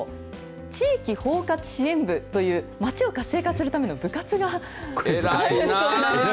地域包括支援部という町を活性化するための部活があるそうなんです。